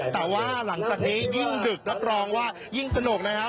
แต่ว่าหลังจากนี้ยิ่งดึกรับรองว่ายิ่งสนุกนะครับ